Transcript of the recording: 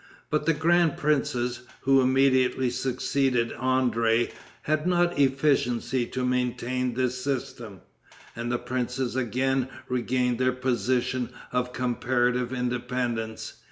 But the grand princes, who immediately succeeded André, had not efficiency to maintain this system, and the princes again regained their position of comparative independence.